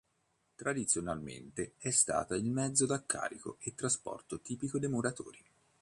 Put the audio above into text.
Tradizionalmente è stata il mezzo da carico e trasporto tipico dei muratori.